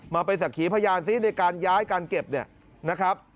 มาเป็นสักขีพยานซิในการย้ายการเก็บเนี่ยนะครับ